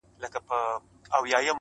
علم د پوهې رڼا خپروي